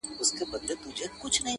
اورېدلې مي په کور کي له کلو ده!!